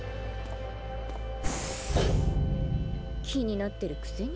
気になってるくせに。